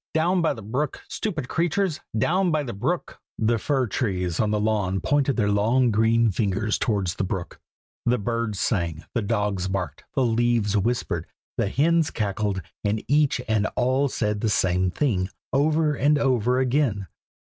down by the brook! stupid creatures! down by the brook!" the fir trees on the lawn pointed their long green fingers towards the brook. The birds sang, the dogs barked, the leaves whispered, the hens cackled, and each and all said the same thing, over and over again!